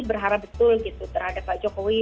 berharap betul gitu terhadap pak jokowi